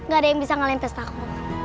gak ada yang bisa ngalahin pesta aku